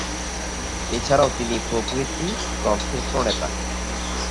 এছাড়াও তিনি প্রভূত গ্রন্থের প্রণেতা।